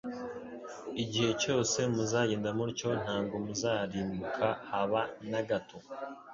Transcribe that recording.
Igihe cyose muzagenza mutyo ntabwo muzarimbuka, haba na gato.